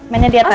mainnya di atas